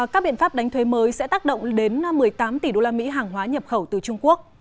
các biện pháp đánh thuế mới sẽ tác động đến một mươi tám tỷ usd hàng hóa nhập khẩu từ trung quốc